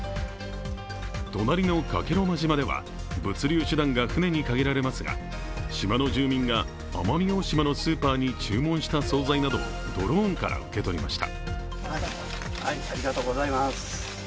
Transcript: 隣の加計呂麻島では物流手段が船に限られますが島の住民が奄美大島のスーパーに注文した総菜などをドローンから受け取りました。